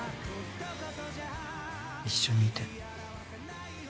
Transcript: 一緒にいて。